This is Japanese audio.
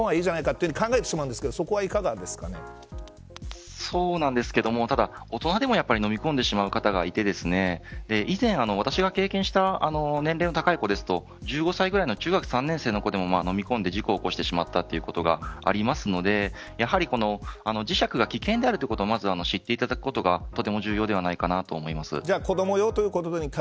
大人用はいいんじゃないかと考えてしまうんですがそうなんですけれどもただ、大人でものみ込んでしまう方がいて以前、私が経験した年齢の高い子ですと１５歳ぐらいの中学３年生の子でものみ込んで、事故を起こしてしまったことがあるのでやはり磁石が危険であるということをまず知っていただくことがとても重要ではないかなと思います。